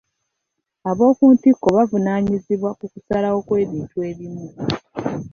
Ab'okuntikko bavunaanyizibwa ku kusalawo ku bintu ebimu.